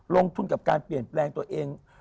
ลงทุนกับการเปลี่ยนแปลงตัวเอง